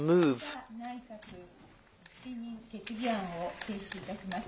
岸田内閣不信任決議案を提出いたします。